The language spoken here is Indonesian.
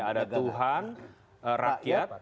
ada tuhan rakyat